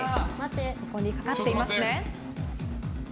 ここにかかっています。